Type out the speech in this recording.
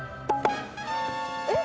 えっ？